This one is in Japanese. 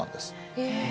へえ。